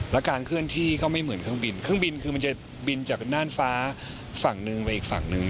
แล้วการเคลื่อนที่ก็ไม่เหมือนเครื่องบินเครื่องบินคือมันจะบินจากน่านฟ้าฝั่งหนึ่งไปอีกฝั่งหนึ่ง